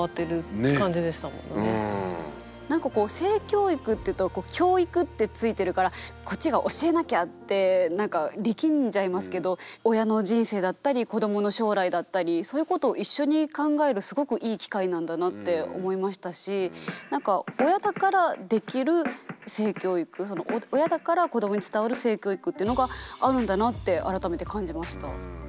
なんかこう「性教育」っていうとこう「教育」ってついてるからこっちが教えなきゃってなんか力んじゃいますけど親の人生だったり子どもの将来だったりそういうことを一緒に考えるすごくいい機会なんだなって思いましたしなんか親だからできる性教育親だから子どもに伝わる性教育っていうのがあるんだなって改めて感じました。